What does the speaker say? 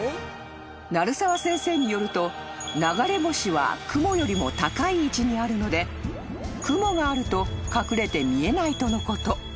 ［鳴沢先生によると流れ星は雲よりも高い位置にあるので雲があると隠れて見えないとのこと］